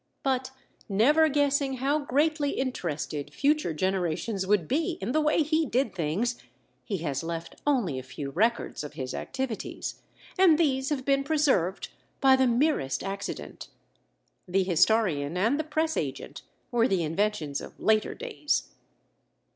But never guessing how greatly interested future generations would be in the way he did things, he has left only a few records of his activities and these have been preserved by the merest accident. The historian and the press agent were the inventions of later days.